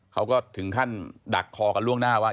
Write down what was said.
เขาก็ถึงขั้นดักคอกันล่วงหน้าว่า